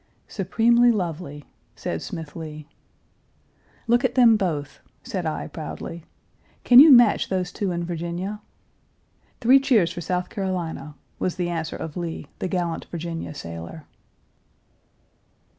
"Supremely lovely," said Smith Lee. "Look at them both," said I proudly; "can you match those two in Virginia?" "Three cheers for South Carolina!" was the answer of Lee, the gallant Virginia sailor.